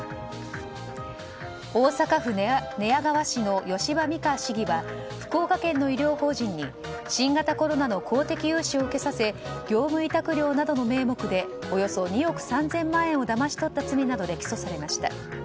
大阪府寝屋川市の吉羽美華市議は福岡県の医療法人に新型コロナの公的融資を受けさせ業務委託料などの名目でおよそ２億３０００万円をだまし取った罪などで起訴されました。